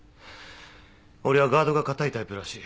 俺はガードが固いタイプらしい。